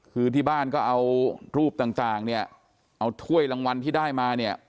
คือที่บ้านก็เอารูปต่างเนี่ยเอาถ้วยรางวัลที่ได้มาเนี่ย